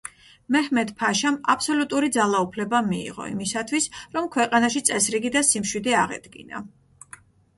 მეჰმედ-ფაშამ აბსოლუტური ძალაუფლება მიიღო იმისათვის, რომ ქვეყანაში წესრიგი და სიმშვიდე აღედგინა.